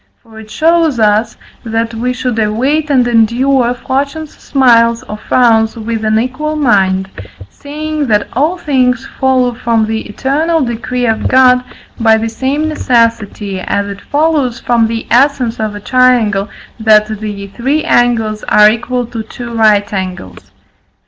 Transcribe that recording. For it shows us, that we should await and endure fortune's smiles or frowns with an equal mind, seeing that all things follow from the eternal decree of God by the same necessity, as it follows from the essence of a triangle, that the three angles are equal to two right angles.